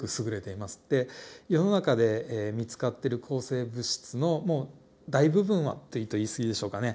で世の中で見つかってる抗生物質のもう大部分はって言うと言い過ぎでしょうかね。